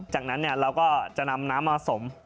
จากนั้นเราก็จะนำน้ำมาสม